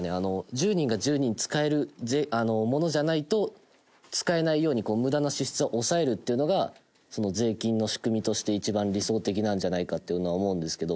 １０人が１０人使えるものじゃないと使えないように無駄な支出は抑えるっていうのが税金の仕組みとして一番理想的なんじゃないかっていうのは思うんですけど。